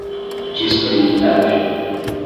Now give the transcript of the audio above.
disponibilidade